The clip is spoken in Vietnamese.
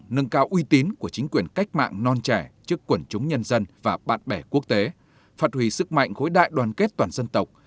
nâng cao uy tín của chính quyền cách mạng non trẻ trước quần chúng nhân dân và bạn bè quốc tế phát huy sức mạnh khối đại đoàn kết toàn dân tộc